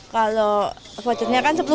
kalau vouchernya kan sepuluh jadi kalau